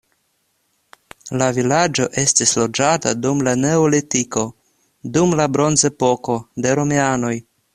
La vilaĝo estis loĝata dum la neolitiko, dum la bronzepoko, de romianoj.